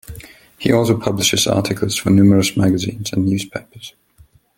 He also published articles for numerous magazines and newspapers.